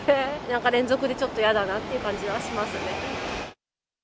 なんか連続でちょっとやだなっていう感じはしますね。